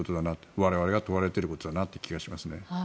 我々が問われていることだなという気がしますね。